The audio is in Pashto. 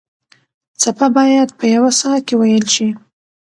څپه باید په یوه ساه کې وېل شي.